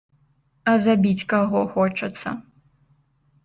А забіць каго хочацца?